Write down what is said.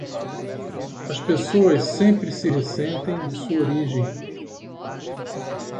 As pessoas sempre se ressentem de sua origem.